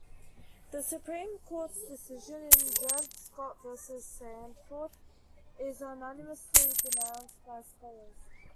The Supreme Court's decision in "Dred Scott versus Sandford" is unanimously denounced by scholars.